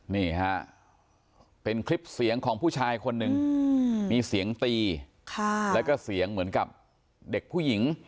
นี่ฮะเป็นคลิปเสียงของผู้ชายคนหนึ่งมีเสียงตีแล้วก็เสียงเหมือนกับเด็กผู้หญิง